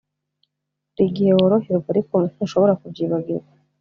Hari igihe woroherwa, ariko ntushobora kubyibagirwa